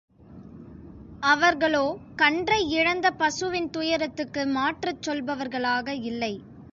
அவர்களோ கன்றை இழந்த பசுவின் துயரத்துக்கு மாற்றுச் சொல்பவர்களாக இல்லை.